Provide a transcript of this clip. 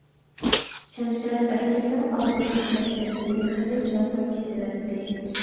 شەمشەر ئەركىننىڭ ئالدى كۆكرەك تەرىپىنى خېلى چوڭقۇر كېسىۋەتتى.